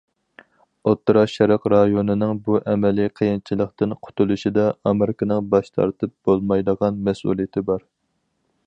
ئوتتۇرا شەرق رايونىنىڭ بۇ ئەمەلىي قىيىنچىلىقتىن قۇتۇلۇشىدا ئامېرىكىنىڭ باش تارتىپ بولمايدىغان مەسئۇلىيىتى بار.